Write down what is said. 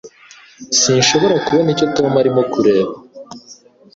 Sinshobora kubona icyo Tom arimo kureba